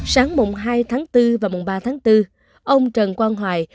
sáng mùng hai tháng bốn và mùng ba tháng bốn ông trần quang hoài